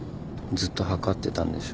ずっとはかってたんでしょ？